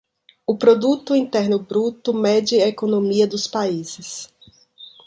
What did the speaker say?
O Produto Interno Bruto mede a economia dos países